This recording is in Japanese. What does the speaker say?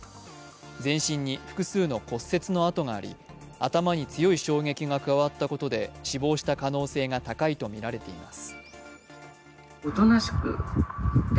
全身に複数の骨折のあとがあり頭に強い衝撃が加わったことで死亡した可能性が高いとみられています。